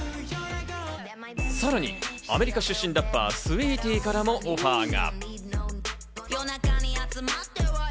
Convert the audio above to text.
さらにアメリカ出身ラッパー、スウィーティーからもオファーが。